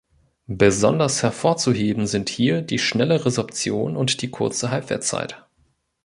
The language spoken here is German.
Besonders hervorzuheben sind hier die schnelle Resorption und die kurze Halbwertszeit.